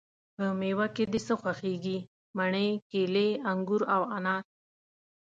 په میوه کی د څه خوښیږی؟ مڼې، کیلې، انګور او انار